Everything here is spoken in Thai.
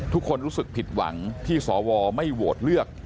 ทุกคนรู้สึกผิดหวังที่สวไม่โหวตเลือก